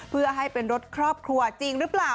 เพื่อให้เป็นรถครอบครัวจริงหรือเปล่า